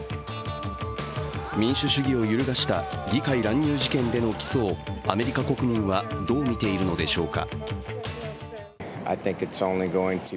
民主主義を揺るがした議会乱入事件での起訴をアメリカ国民はどう見ているのでしょうか。